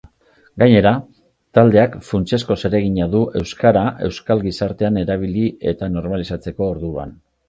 Gainera, taldeak funtsezko zeregina du euskara euskal gizartean erabili eta normalizatzeko orduan.